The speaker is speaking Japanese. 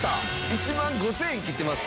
１万５０００円切ってます。